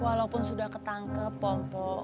walaupun sudah ketangkep empok empok